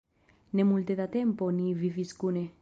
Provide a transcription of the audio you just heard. Ne multe da tempo ni vivis kune.